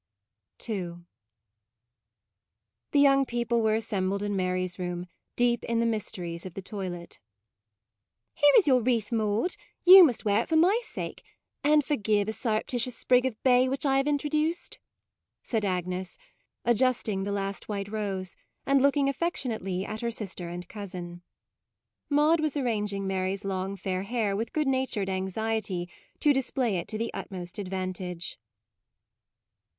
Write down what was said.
MAUDE 19 II THE young people were as sembled in Mary's room, deep in the mysteries of the toilet. u Here is your wreath, Maude; you must wear it for my sake, and forgive a surreptitious sprig of bay which I have introduced," said Agnes, adjusting the last white rose, and looking affectionately at her sis ter and cousin. Maude was arranging Mary's long fair hair with good natured anxiety to display it to the utmost advantage.